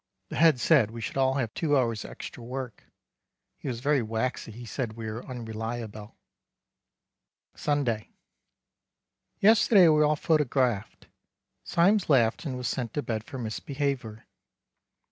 The Head said we should all have two hours extra work. He was very waxy he said we were unreliabel. Sunday. Yesterday we were all photografed. Simes laughed and was sent to bed for misbehavier.